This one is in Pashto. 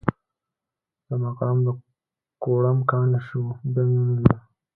زما قلم د کوړم کاڼی شو؛ بيا مې و نه ليد.